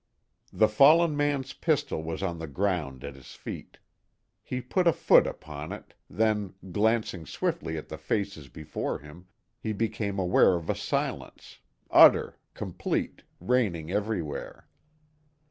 The fallen man's pistol was on the ground at his feet. He put a foot upon it; then, glancing swiftly at the faces before him, he became aware of a silence, utter, complete, reigning everywhere.